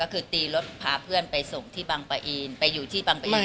ก็คือตีรถพาเพื่อนไปส่งที่บังปะอินไปอยู่ที่บางปะอิน